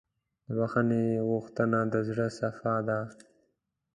د بښنې غوښتنه د زړۀ صفا ده.